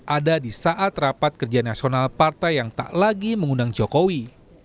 ada di saat rapat kerja nasional partai yang tak lagi mengundang jokowi